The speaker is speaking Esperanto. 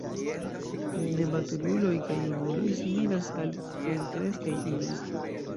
Nematuruloj kaj junuloj similas al plenkreskaj inoj.